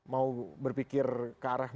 mau berpikir ke arah